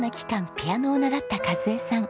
ピアノを習った和枝さん。